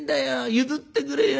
譲ってくれよ」。